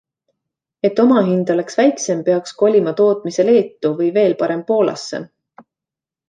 Et omahind oleks väiksem, peaks kolima tootmise Leetu või, veel parem, Poolasse.